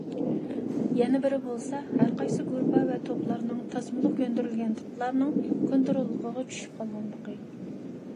يەنە بىرى بولسا، ھەرقايسى گۇرۇپپا ۋە توپلارنىڭ تاسمىلىق كۆندۈرۈلگەن تىپلارنىڭ كونتروللۇقىغا چۈشۈپ قالغانلىقى.